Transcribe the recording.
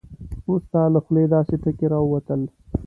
وروسته له خولې داسې ټکي راووتل.